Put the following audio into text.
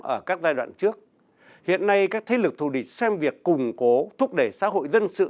ở các giai đoạn trước hiện nay các thế lực thù địch xem việc củng cố thúc đẩy xã hội dân sự